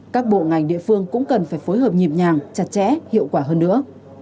các bộ ngành địa phương cũng cần phải phối hợp nhịp nhàng chặt chẽ hiệu quả hơn nữa